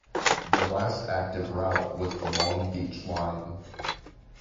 The last active route was the Long Beach line.